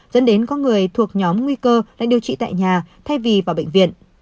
dẫn đến có người thuộc nhóm nguy cơ là điều trị tại nhà thay vì vào bệnh viện